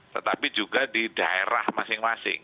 tetapi juga di daerah masing masing